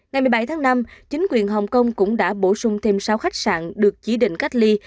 ngày một mươi bảy tháng năm chính quyền hồng kông cũng đã bổ sung thêm sáu khách sạn được chỉ định cách ly